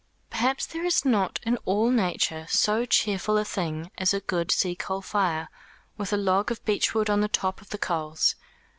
Perhaps there is not in all nature so cheerful a thing as a good sea coal fire, with a log of beechwood on the top of the coals.